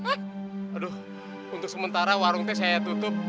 aduh untuk sementara warung teh saya tutup